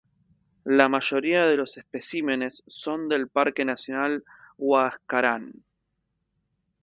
La mayoría de los especímenes son del Parque Nacional Huascarán.